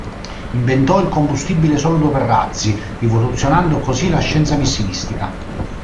Inventò il combustibile solido per razzi, rivoluzionando così la scienza missilistica.